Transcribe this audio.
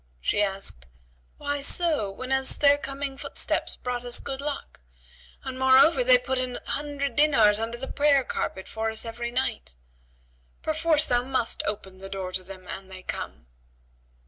She asked, "Why so, whenas their coming footsteps brought us good luck; and, moreover, they put an hundred dinars under the prayer carpet for us every night? Perforce must thou open the door to them an they come."